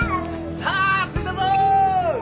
さあ着いたぞ。